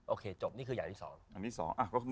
โอเคจบนี่คืออย่างที่สอง